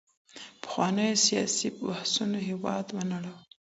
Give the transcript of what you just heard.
پخوانيو سياسي بحثونو هېواد ونړاوه.